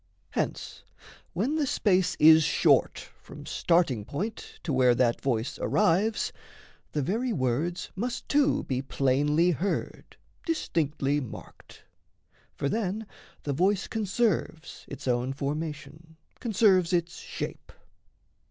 Hence when the space is short from starting point To where that voice arrives, the very words Must too be plainly heard, distinctly marked. For then the voice conserves its own formation, Conserves its shape.